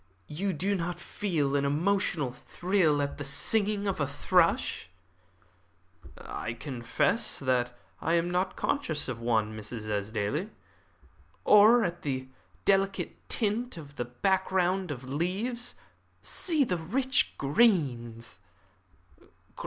You do not feel an emotional thrill at the singing of that thrush?" "I confess that I am not conscious of one, Mrs. Esdaile." "Or at the delicate tint of that background of leaves? See the rich greens!"